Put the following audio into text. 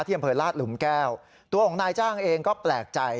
อำเภอลาดหลุมแก้วตัวของนายจ้างเองก็แปลกใจ